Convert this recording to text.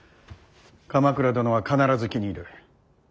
鎌倉殿は必ず気に入る。